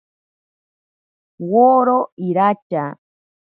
Woro iracha.